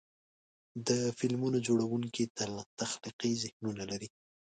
د فلمونو جوړونکي تخلیقي ذهنونه لري.